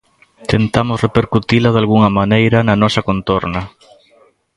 Tentamos repercutila dalgunha maneira na nosa contorna.